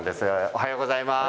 おはようございます。